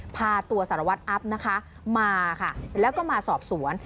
พาตัวสารวัติอัพมาแล้วก็มาสอบสวน